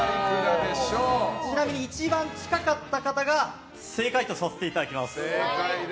ちなみに一番近かった方が正解とさせていただきます。